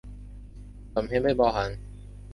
短片被包含在本系列电影的蓝光影碟中。